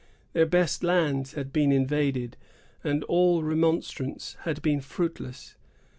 Their best lands had been invaded, and all remonstrance had been fruitless.